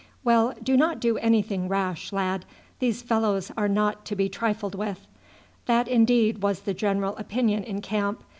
"Well, do not do anything rash, lad; these fellows are not to be trifled with." That, indeed, was the general opinion in camp.